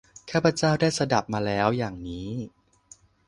ข้าพเจ้าได้สดับมาแล้วอย่างนี้